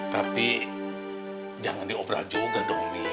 tapi jangan diobrol juga dong mi